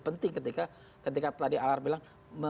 penting ketika tadi aler bilang